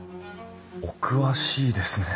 お詳しいですね。